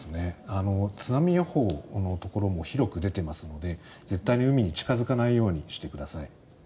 津波予報のところも広く出ていますので絶対に海に近付かないようにしてください。